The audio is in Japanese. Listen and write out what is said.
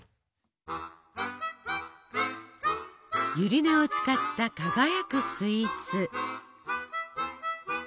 ゆり根を使った輝くスイーツ。